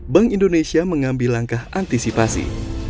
bank indonesia mengambil langkah antisipasi